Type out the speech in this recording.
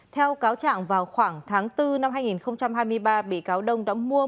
theo cáo trạng vào khoảng tháng bốn năm hai nghìn hai mươi ba bị cáo đông đã mua